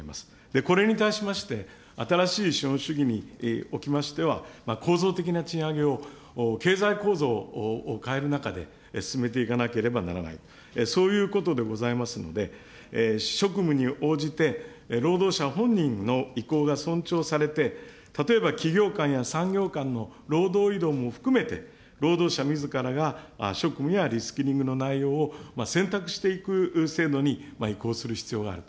これに対しまして、新しい資本主義におきましては、構造的な賃上げを経済構造を変える中で、進めていかなければならない。そういうことでございますので、職務に応じて労働者本人の意向が尊重されて、例えば企業間や産業間の労働移動も含めて、労働者みずからが職務やリスキリングの内容を選択していく制度に移行する必要があると。